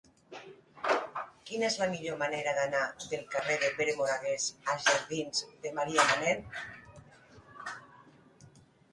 Quina és la millor manera d'anar del carrer de Pere Moragues als jardins de Marià Manent?